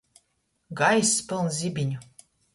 Gaiss pylns zibiņu.